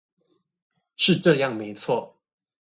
是這樣沒錯